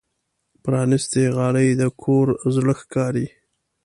پرانستې غالۍ د کور زړه ښکاري.